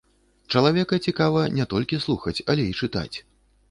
Чалавека цікава не толькі слухаць, але і чытаць.